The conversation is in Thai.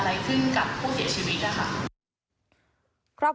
เสียชีวิตนะครับ